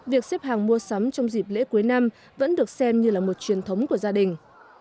việc xếp hàng mua sắm trong dịp lễ cuối năm vẫn được xem như là một truyền thống của gia đình